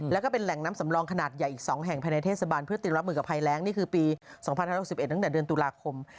แล้วก็เป็นแหล่งน้ำสำรองขนาดใหญ่อีก๒แห่งภายในเทศบาลเพื่อเตรียมรับมือกับภัยแรงนี่คือปี๒๕๖๑ตั้งแต่เดือนตุลาคม